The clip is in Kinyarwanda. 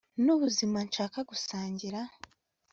nubuzima nshaka gusangira